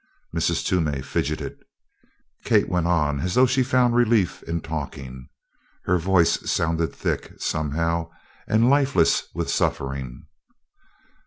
Mrs. Toomey fidgeted. Kate went on as though she found relief in talking. Her voice sounded thick, somehow, and lifeless with suffering.